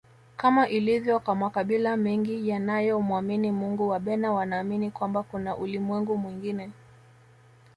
Kama ilivyo kwa makabila mengine yanayo mwamini Mungu Wabena wanaamini kwamba kuna ulimwengu mwingine